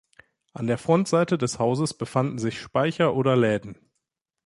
An der Frontseite des Hauses befanden sich Speicher oder Läden.